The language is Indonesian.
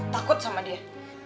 takut sama dia